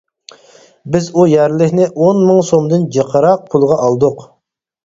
بىز ئۇ يەرلىكنى ئون مىڭ سومدىن جىقراق پۇلغا ئالدۇق.